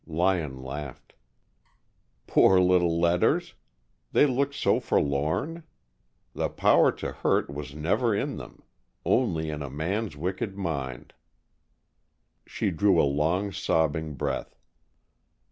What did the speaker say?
Lyon laughed. "Poor little letters! They look so forlorn. The power to hurt was never in them, only in a man's wicked mind." She drew a long, sobbing breath.